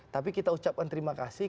tapi kita ucapkan terima kasih